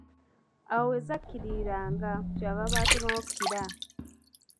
Awo we zakkiririranga, kye baavanga batuumawo Kira.